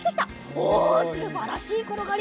おすばらしいころがり！